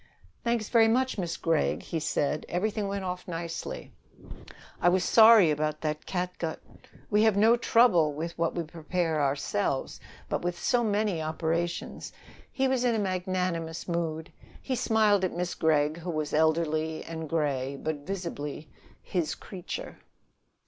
"Thanks very much, Miss Gregg," he said. "Everything went off nicely." "I was sorry about that catgut. We have no trouble with what we prepare ourselves. But with so many operations " He was in a magnanimous mood. He smiled at Miss Gregg, who was elderly and gray, but visibly his creature.